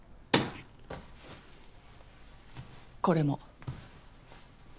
これも。